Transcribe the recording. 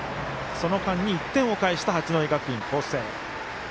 その間に１点を返した八戸学院光星。